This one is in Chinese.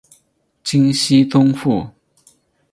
金熙宗父。